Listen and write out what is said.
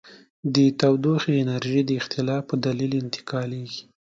د تودوخې انرژي د اختلاف په دلیل انتقالیږي.